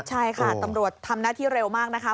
ใช่ค่ะตำรวจทำหน้าที่เร็วมากนะคะ